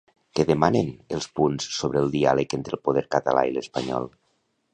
Què demanen, els punts sobre el diàleg entre el poder català i l'espanyol?